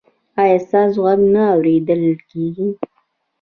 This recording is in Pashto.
ایا ستاسو غږ نه اوریدل کیږي؟